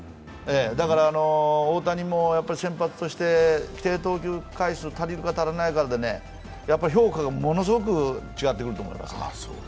だから大谷も先発として規定投球回数足りるか足らないかで評価がものすごく違ってくると思います。